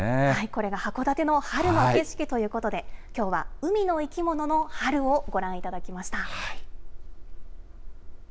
これが函館の春の景色ということで、きょうは海の生き物の春をご覧いただきました。